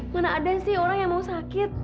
mana ada sih orang yang mau sakit